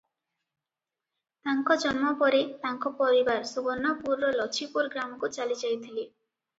ତାଙ୍କ ଜନ୍ମ ପରେ ତାଙ୍କ ପରିବାର ସୁବର୍ଣ୍ଣପୁରର ଲଛିପୁର ଗ୍ରାମକୁ ଚାଲିଯାଇଥିଲେ ।